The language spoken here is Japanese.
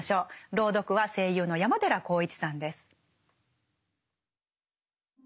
朗読は声優の山寺宏一さんです。